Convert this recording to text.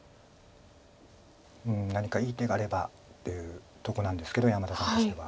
うん何かいい手があればというとこなんですけど山田さんとしては。